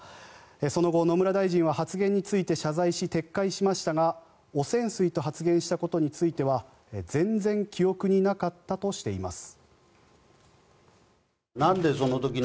その後、野村大臣は発言について謝罪し撤回しましたが汚染水と発言したことについては全然記憶になかったとしています。